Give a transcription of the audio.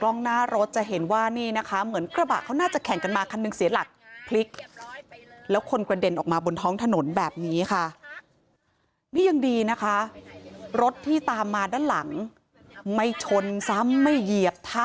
นี่